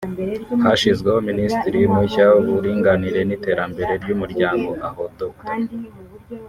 yashyizeho Minisitiri mushya w’Uburinganire n’Iterambere ry’Umuryango aho Dr